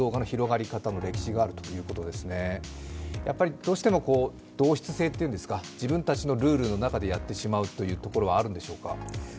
どうしても同質性というんですか、自分たちのルールの中でやってしまうというところはあるんでしょうか？